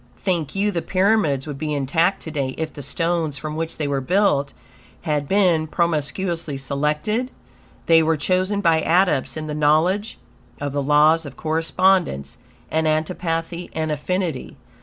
Think you the pryamids would be intact to day, if the stones from which they were built had been promiscuously selected? They were chosen by Adepts in the knowledge of the Laws of Correspondence and antipathy and affinity.